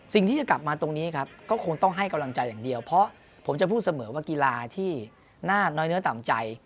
สิ่งที่จะกลับมาตรงนี้ครับก็คงต้องให้กำลังใจอย่างเดียวเพราะผมจะพูดเสมอว่ากีฬาที่น่าน้อยเนื้อต่ำใจ